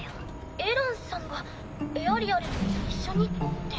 エランさんがエアリアルも一緒にって。